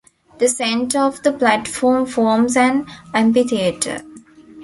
The center of the platform forms an amphitheatre.